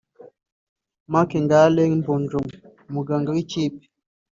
Marc Ngalle Mbonjo (Umuganga w’ikipe)